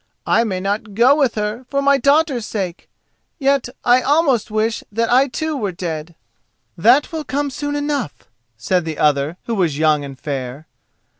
I may not go with her, for my daughter's sake; yet I almost wish that I too were dead." "That will come soon enough," said the other, who was young and fair.